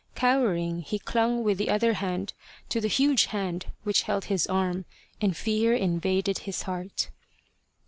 Cowering, he clung with the other hand to the huge hand which held his arm, and fear invaded his heart.